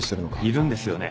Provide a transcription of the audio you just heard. いるんですよね？